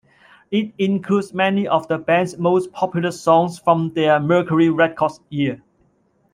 It includes many of the band's most popular songs from their Mercury Records era.